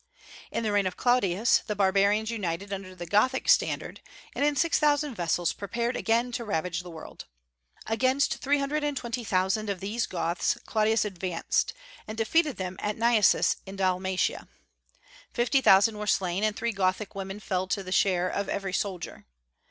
In the reign of Claudius the barbarians united under the Gothic standard, and in six thousand vessels prepared again to ravage the world. Against three hundred and twenty thousand of these Goths Claudius advanced, and defeated them at Naissus in Dalmatia. Fifty thousand were slain, and three Gothic women fell to the share of every soldier.